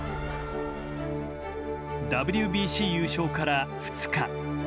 ＷＢＣ優勝から２日。